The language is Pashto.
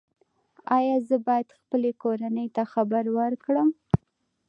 ایا زه باید خپلې کورنۍ ته خبر ورکړم؟